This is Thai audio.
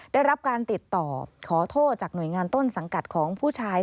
ได้รับการติดต่อขอโทษจากหน่วยงานต้นสังกัดของผู้ชาย